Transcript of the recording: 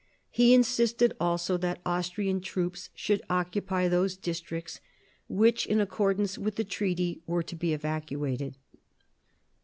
He insisted also that Austrian troops should occupy thoseu districts which, in accordance with the treaty, were to be evacuated.